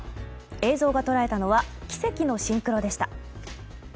映像が捉えたのは奇跡のシンクロでした。